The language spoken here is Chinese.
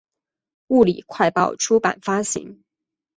物理快报出版发行。